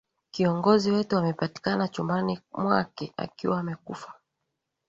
Kiongozi wetu amepatikana chumbani mwake akiwa amekufa.